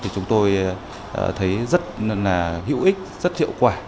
chúng tôi thấy rất hữu ích rất hiệu quả